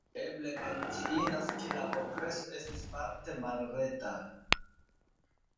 Eble menciindas, ke la kongreso estis parte malreta.